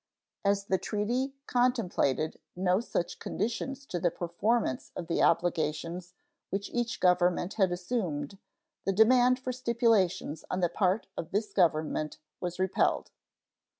As the treaty contemplated no such conditions to the performance of the obligations which each Government had assumed, the demand for stipulations on the part of this Government was repelled.